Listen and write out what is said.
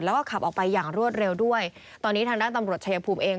แล้วก็ขับออกไปอย่างรวดเร็วด้วยตอนนี้ทางด้านตำรวจชายภูมิเอง